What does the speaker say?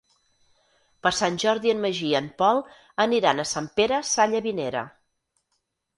Per Sant Jordi en Magí i en Pol aniran a Sant Pere Sallavinera.